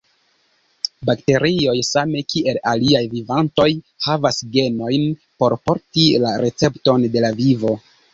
Bakterioj, same kiel aliaj vivantoj, havas genojn por porti la recepton de la vivo.